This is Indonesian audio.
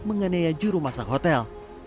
menganiaya juru masak hotel